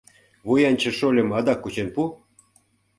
Вуянче шольычым адак кучен пу!..